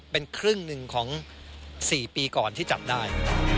เป็นครึ่งหนึ่งของ๔ปีก่อนที่จับได้